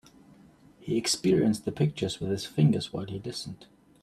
He experienced the pictures with his fingers while he listened.